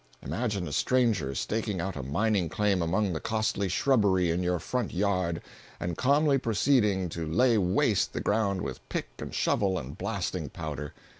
Imagine a stranger staking out a mining claim among the costly shrubbery in your front yard and calmly proceeding to lay waste the ground with pick and shovel and blasting powder!